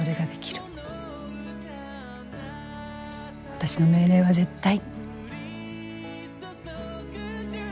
私の命令は絶対。